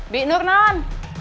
bik nur non